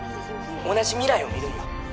同じ未来を見るんよ